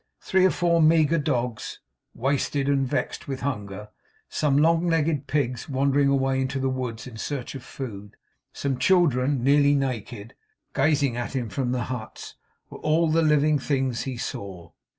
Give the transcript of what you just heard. Three or four meagre dogs, wasted and vexed with hunger; some long legged pigs, wandering away into the woods in search of food; some children, nearly naked, gazing at him from the huts; were all the living things he saw.